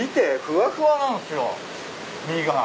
ふわふわなんすよ身が。